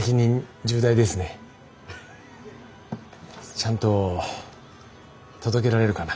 ちゃんと届けられるかな。